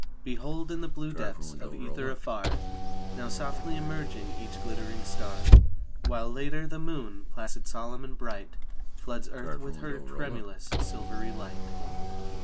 Behold, in the blue depths of ether afar, Now softly emerging each glittering star; While, later, the moon, placid, solemn and bright, Floods earth with her tremulous, silvery light.